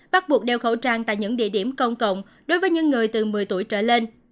bắt buộc đeo khẩu trang tại những địa điểm công cộng đối với những người từ một mươi tuổi trở lên